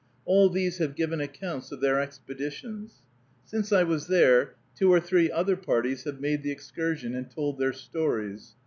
All these have given accounts of their expeditions. Since I was there, two or three other parties have made the excursion, and told their stories.